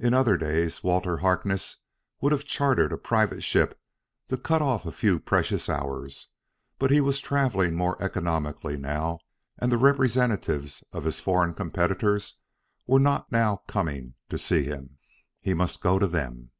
In other days Walter Harkness would have chartered a private ship to cut off a few precious hours, but he was traveling more economically now. And the representatives of his foreign competitors were not now coming to see him; he must go to them.